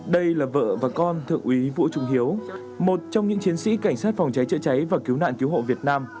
đây là vợ và con thượng úy vũ trung hiếu một trong những chiến sĩ cảnh sát phòng cháy chữa cháy và cứu nạn cứu hộ việt nam